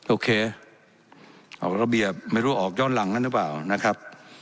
โอเคออกระเบียบไม่รู้ออกย้อนหลังกันหรือเปล่านะครับ